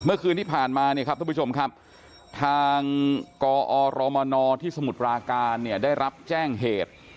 เมื่อคืนที่ผ่านมาเนี่ยครับทุกผู้ชมครับทางกอรมนที่สมุทรปราการเนี่ยได้รับแจ้งเหตุ